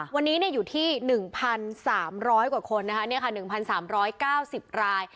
วันนี้อยู่ที่๑๓๐๐กว่าคน๑๓๙๐ราย